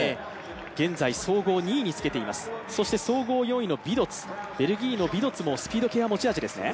現在総合２位につけています総合４位のビドツ、ベルギーのビドツもスピード系が持ち味ですね。